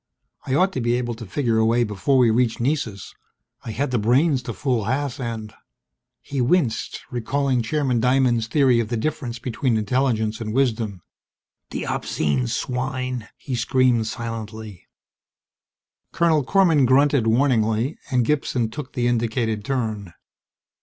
I ought to be able to figure a way before we reach Nessus. I had the brains to fool Haas and ... He winced, recalling Chairman Diamond's theory of the difference between intelligence and wisdom. The obscene swine! he screamed silently. Colonel Korman grunted warningly, and Gibson took the indicated turn.